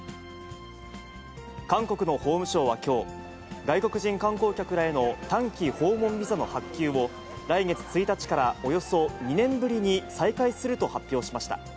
韓国の法務省はきょう、外国人観光客らへの短期訪問ビザの発給を、来月１日からおよそ２年ぶりに再開すると発表しました。